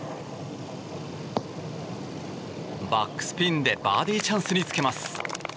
バックスピンでバーディーチャンスにつけます。